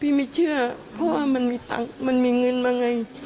พี่ไม่เชื่อเพราะว่ามันมีเงินมาไง